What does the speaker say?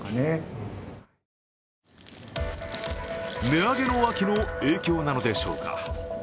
値上げの秋の影響なのでしょうか。